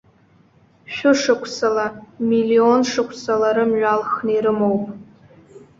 Шәышықәсала, миллион шықәсала рымҩа алхны ирымоуп.